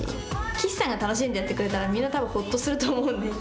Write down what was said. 岸さんが楽しんでやってくれたら、みんな、たぶんホッとすると思うんで。